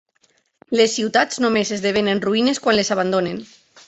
Les ciutats només esdevenen ruïnes quan les abandonen.